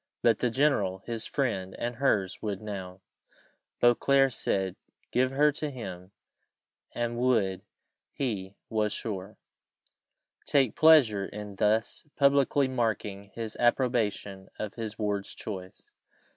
But the general, his friend and her's, would now, Beauclerc said, give her to him; and would, he was sure, take pleasure in thus publicly marking his approbation of his ward's choice.